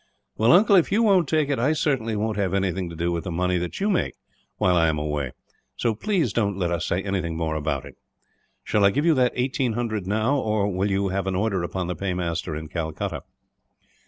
"Well, uncle, if you won't take it, I certainly won't have anything to do with the money that you make, while I am away; so please don't let us say anything more about it. Shall I give you that eighteen hundred now; or will you have an order upon the paymaster, in Calcutta?"